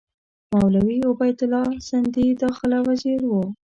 مولوي عبیدالله سندي داخله وزیر وو.